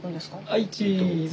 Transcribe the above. はいチーズ。